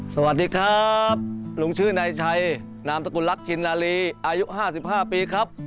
สวัสดีครับลุงชื่อนายชัยนามสกุลรักชินนาลีอายุ๕๕ปีครับ